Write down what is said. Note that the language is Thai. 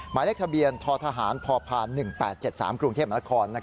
หมายเลขทะเบียนททหารพพ๑๘๗๓กรุงเทพมนาคม